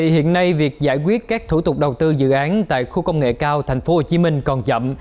hiện nay việc giải quyết các thủ tục đầu tư dự án tại khu công nghệ cao tp hcm còn chậm